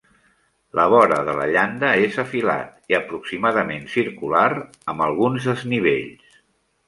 La vora de la llanda és afilat i aproximadament circular, amb alguns desnivells.